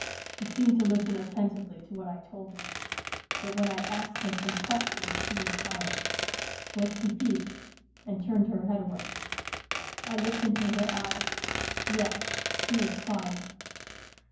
She seemed to listen attentively to what I told her ; but when I asked her some question she was silent, was confused, and turned her head away. I looked into her eyes yes, she was crying.